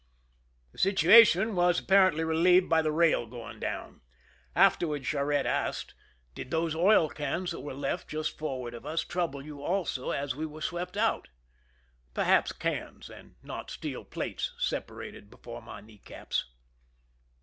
The situation was apparently relieved by the rail going down. Afterward Cha rette asked :" Did those oil cans that were left just forward of us trouble you also as we were swept out ?" I*erhaps cans, and not steel plates, separated before my kneecaps.